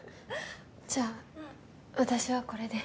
じゃあ私はこれで。